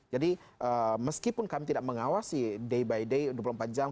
jadi meskipun kami tidak mengawasi day by day dua puluh empat jam